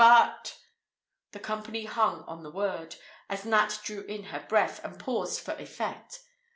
But " The company hung on the word, as Nat drew in her breath, and paused for effect.